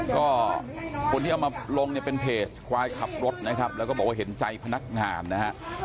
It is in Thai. ก็คนที่เอามาลงเนี่ยเป็นเพจควายขับรถนะครับแล้วก็บอกว่าเห็นใจพนักงานนะฮะ